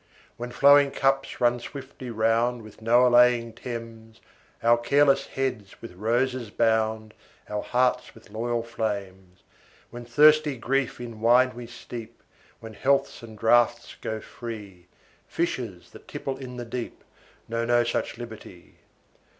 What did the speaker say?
When flowing cups run swiftly round With no allaying Thames, Our careless heads with roses bound, Our hearts with loyal flames; When thirsty grief in wine we steep, When healths and draughts go free, Fishes, that tipple in the deep, Know no such liberty.